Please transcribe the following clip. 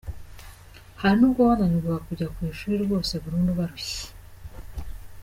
Hari n’ubwo bananirwaga kujya ku ishuri rwose burundu barushye.